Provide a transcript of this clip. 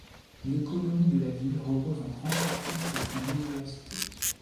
L'économie de la ville repose en grande partie sur son université.